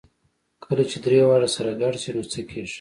کله چې درې واړه سره ګډ شي نو څه کېږي؟